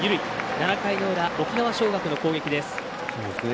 ７回の裏、沖縄尚学の攻撃です。